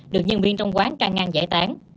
được nhân viên trong quán ca ngang giải tán